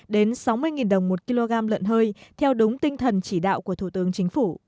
đến sáu mươi đồng một kg lợn hơi theo đúng tinh thần chỉ đạo của thủ tướng chính phủ